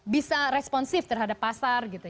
bisa responsif terhadap pasar gitu